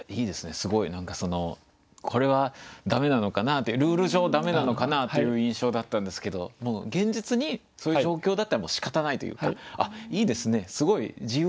すごいこれは駄目なのかなというルール上駄目なのかなという印象だったんですけど現実にそういう状況だったらしかたないというかいいですねすごい自由ですね。